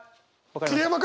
桐山君！